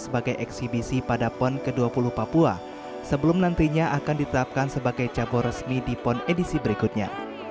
sebagai eksibisi pada pon ke dua puluh papua sebelum nantinya akan ditetapkan sebagai cabur resmi di pon edisi berikutnya